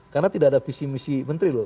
karena tidak ada visi misi menteri loh